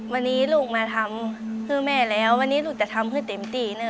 วันนี้ลูกมาทำเพื่อแม่แล้ววันนี้ลูกจะทำให้เต็มที่นะ